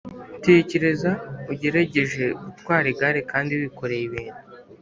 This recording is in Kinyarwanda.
Tekereza ugerageje gutwara igare kandi wikoreye ibintu